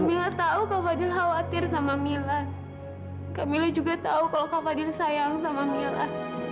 kamila tahu kak fadil khawatir sama mila kamila juga tahu kalau kak fadil sayang sama mila